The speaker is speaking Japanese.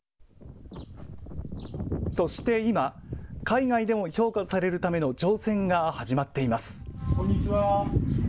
そして今、海外でも評価されるための挑戦が始まっています。